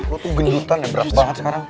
lu tuh gendutan ya berat banget sekarang